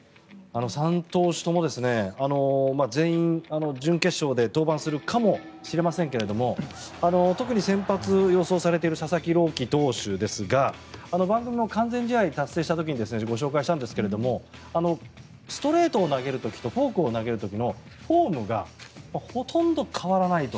３投手とも全員、準決勝で登板するかもしれませんが特に先発が予想されている佐々木朗希投手ですが番組も完全試合を達成した時にご紹介したんですがストレートを投げる時とフォークを投げる時のフォームがほとんど変わらないと。